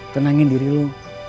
tenangin diri lo